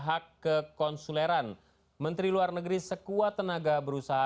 hak kekonsuleran menteri luar negeri sekuat tenaga berusaha